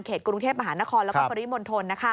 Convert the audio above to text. เขตกรุงเทพฯมหานครแล้วก็ฝริมนธน